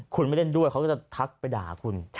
คุณไม่เล่นด้วยเขาก็จะทักไปด่าคุณ